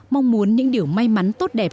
mong muốn những điều may mắn tốt đẹp